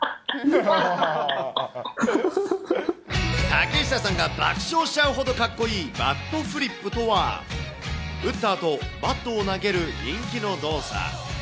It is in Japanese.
竹下さんが爆笑しちゃうほどかっこいいバットフリップとは、打ったあと、バットを投げる人気の動作。